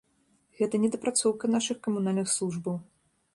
Гэта недапрацоўка нашых камунальных службаў.